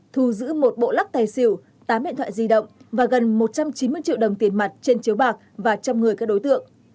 thu giữ một bộ lắc tài xỉu tám điện thoại di động và gần một trăm chín mươi triệu đồng tiền mặt trên chiếu bạc và trăm người các đối tượng